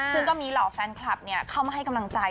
ซึ่งก็มีเหล่าแฟนคลับเข้ามาให้กำลังใจ